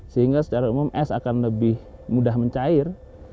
sehingga secara umum es akan lebih mudah mencair